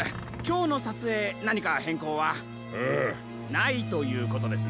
ないということですね。